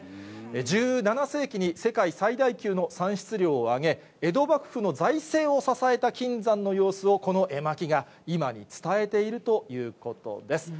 １７世紀に世界最大級の産出量を上げ、江戸幕府の財政を支えた金山の様子を、この絵巻が今に伝えているということです。